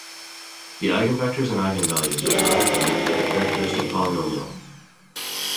The eigenvectors and eigenvalues are derived from it via the characteristic polynomial.